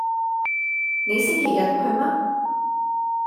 你星期日去嗎？